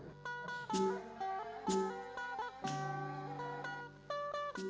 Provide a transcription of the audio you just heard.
kota tanah seribu